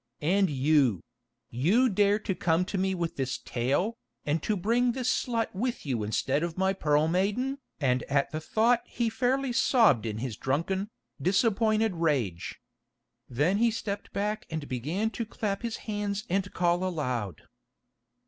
And you—you dare to come to me with this tale, and to bring this slut with you instead of my Pearl Maiden——" and at the thought he fairly sobbed in his drunken, disappointed rage. Then he stepped back and began to clap his hands and call aloud.